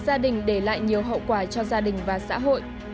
gia đình để lại nhiều hậu quả cho gia đình và xã hội